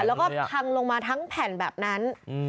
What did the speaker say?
แล้วก็พังลงมาทั้งแผ่นแบบนั้น